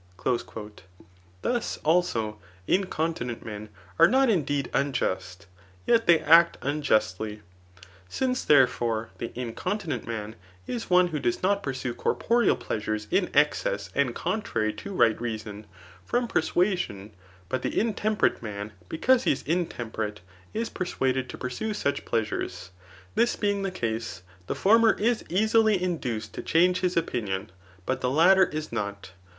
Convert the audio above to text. *' Thus, also, incontinent men arc not indeed unjust, yet they act unjustly. Since, there fore, the incontinent man is one who does not pursue cor poreal pleasures in excess and contrary to right reason, from persuasion, but the intemperate man because he is intemperate is persuaded to pursue such pleasures ;— this being the case, the former is easily induced to change his opinion, but the latter is not.